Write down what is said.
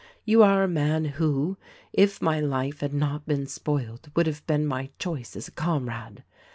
You are a man who — if my life had not been spoiled — would have been my choice as a comrade.